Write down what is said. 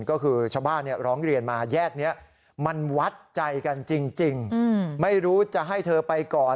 ก็คือชาวบ้านร้องเรียนมาแยกนี้มันวัดใจกันจริงไม่รู้จะให้เธอไปก่อน